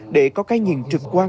để có cái nhìn trực quan